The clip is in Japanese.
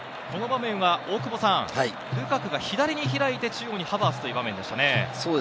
この場面はルカクが左に開いて中央にハバーツという場面でしたね。